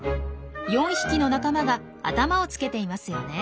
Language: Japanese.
４匹の仲間が頭を付けていますよね。